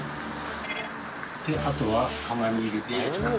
であとは窯に入れて焼きます。